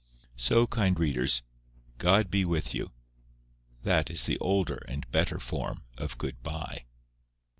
So, kind readers, God be with you. That is the older and better form of GOOD BYE.